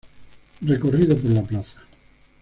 Recorrido por la plaza